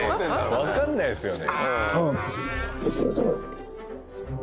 わかんないですよね。